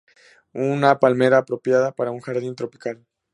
Una palmera apropiada para un jardín tropical.